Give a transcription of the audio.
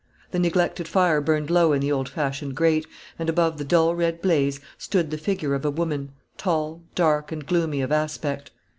The neglected fire burned low in the old fashioned grate, and above the dull red blaze stood the figure of a woman, tall, dark, and gloomy of aspect.